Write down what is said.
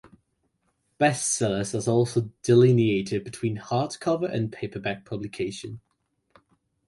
Bestsellers are also delineated between hardcover and paperback publication.